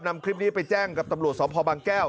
นำคลิปนี้ไปแจ้งกับตำรวจสพบางแก้ว